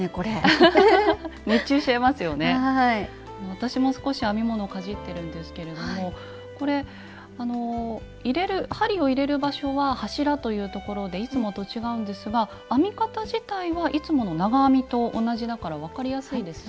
私も少し編み物をかじってるんですけれどもこれ針を入れる場所は柱というところでいつもと違うんですが編み方自体はいつもの長編みと同じだから分かりやすいですね。